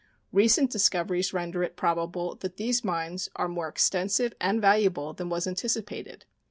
Recent discoveries render it probable that these mines are more extensive and valuable than was anticipated.